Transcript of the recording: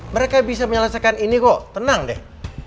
mereka bisa menyelesaikan ini kok tenang deh